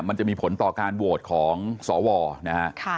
มันจะมีผลต่อการโหวตของสวนะฮะ